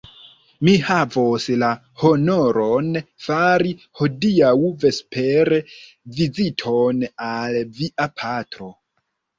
Mi havos la honoron fari hodiaŭ vespere viziton al via patro!